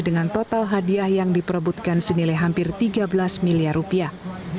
dengan total hadiah yang diperebutkan senilai hampir tiga belas miliar rupiah